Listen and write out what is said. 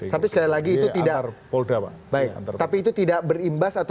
tapi sekali lagi itu tidak berimbas atau tidak ada kaitannya dengan masyarakat